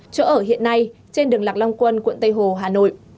chỗ ở hiện nay trên đường lạc long quân quận tây hồ hà nội